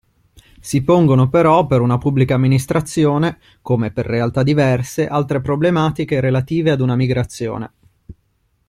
Si pongono però, per una Pubblica Amministrazione come per realtà diverse, altre problematiche relative ad una migrazione.